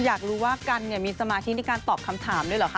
อยากรู้ว่ากันเนี่ยมีสมาธิในการตอบคำถามด้วยเหรอคะ